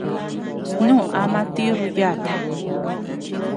Snu ama tirru yata.